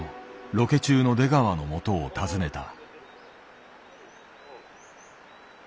ロケ中の出川のもとを訪ねた。